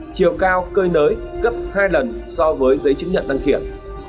chiều cao cơi nới gấp hai lần so với giấy chứng nhận đăng kiểm